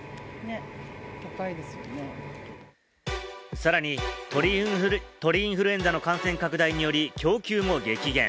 さらに鳥インフルエンザの感染拡大により供給も激減。